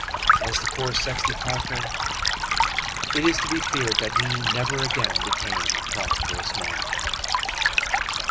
As to poor Sexty Parker, it is to be feared that he never again became a prosperous man.